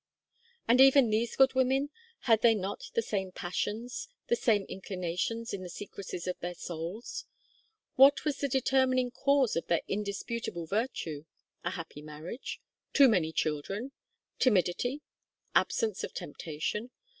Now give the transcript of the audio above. And even these good women? Had they not the same passions, the same inclinations in the secrecies of their souls? What was the determining cause of their indisputable virtue? A happy marriage? Too many children? Timidity? Absence of temptation?